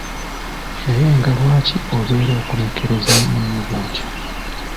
Naye nga lwaki obeera okemekkereza munno bw’otyo?